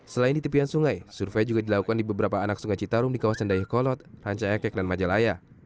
selain di tepian sungai survei juga dilakukan di beberapa anak sungai citarum di kawasan dayakolot ranca ekek dan majalaya